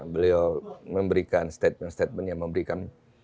beliau memberikan statement statement yang memberikan